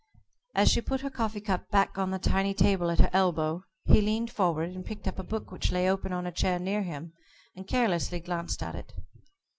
As she put her coffee cup back on the tiny table at her elbow, he leaned forward, and picked up a book which lay open on a chair near him, and carelessly glanced at it.